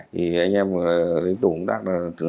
thì anh em đối tượng cũng đắc